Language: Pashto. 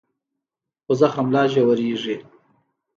خو زخم لا ژورېږي.